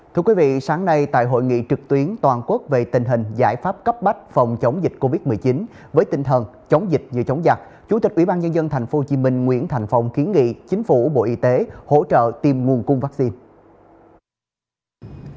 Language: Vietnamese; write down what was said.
thưa quý vị sáng nay tại hội nghị trực tuyến toàn quốc về tình hình giải pháp cấp bách phòng chống dịch covid một mươi chín với tinh thần chống dịch như chống giặc chủ tịch ubnd tp hcm nguyễn thành phong kiến nghị chính phủ bộ y tế hỗ trợ tìm nguồn cung vaccine